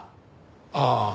ああ。